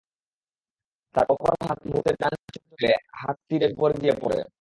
তার অপর হাত মুহূর্তে ডান চোখে চলে গেলে হাত তীরের উপর গিয়ে পড়ে।